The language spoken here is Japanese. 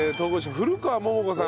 古川桃子さん